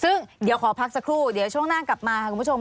ซึ่งเดี๋ยวขอพักสักครู่เดี๋ยวช่วงหน้ากลับมาค่ะคุณผู้ชม